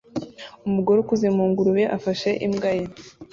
Umugore ukuze mu ngurube afashe imbwa ye